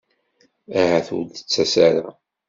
Ahat ur d-tettas ara.